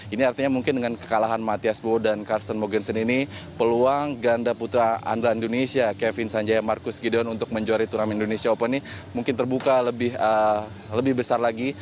ini artinya mungkin dengan kekalahan mathias bo dan karsten mogensen ini peluang ganda putra andra indonesia kevin sanjaya marcus gideon untuk menjuari turnamen indonesia open ini mungkin terbuka lebih besar lagi